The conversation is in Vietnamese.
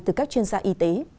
từ các chuyên gia y tế